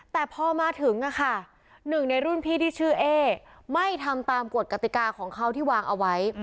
แต่พอมาถึงหนึ่งในรุ่นพี่ที่ชื่อเอ๊ไม่ทำตามกฎกติกาของเขาที่วางเอาไว้